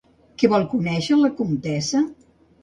Què vol conèixer la Comtessa?